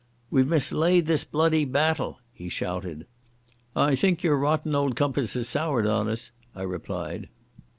"We've mislaid this blamed battle," he shouted. "I think your rotten old compass has soured on us," I replied.